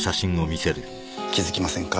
気付きませんか？